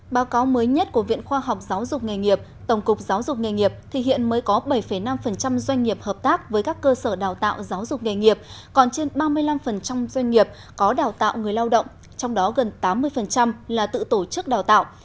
báo cáo mới nhất của viện khoa học giáo dục nghề nghiệp tổng cục giáo dục nghề nghiệp thì hiện mới có bảy năm doanh nghiệp hợp tác với các cơ sở đào tạo giáo dục nghề nghiệp còn trên ba mươi năm doanh nghiệp có đào tạo người lao động trong đó gần tám mươi là tự tổ chức đào tạo